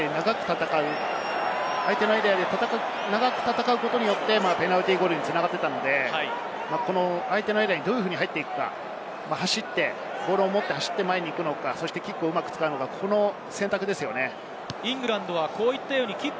開幕戦のフランス対ニュージーランドを見て思ったのですが、相手のエリアで長く戦う、それによってペナルティーゴールに繋がっていたので、相手のエリアにどういうふうに入っていくか、ボールを持って走って前に行くのか、キックをうまく使うのか、その選択ですよね。